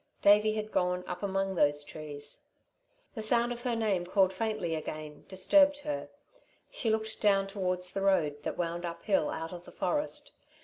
Davey had gone up among those trees. The sound of her name called faintly again disturbed her. She looked down towards the road that wound uphill out of the forest.